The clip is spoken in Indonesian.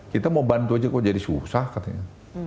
kita mau bantu aja kok jadi susah katanya